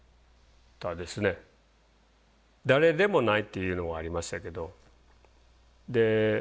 誰でもないというのはありましたけど。